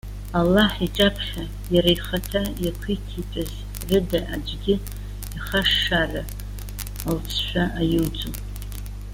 Аллаҳ иҿаԥхьа, иара ихаҭа иақәиҭитәыз рыда аӡәгьы иахашшаара алҵшәа аиуӡом.